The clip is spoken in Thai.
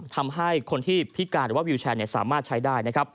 ทำให้คนที่พิการหรือว่าวิวแชร์สามารถใช้ได้นะครับ